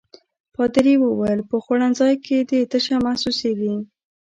پادري وویل: په خوړنځای کې دي تشه محسوسيږي.